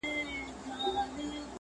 ما ویل زما امتحان دی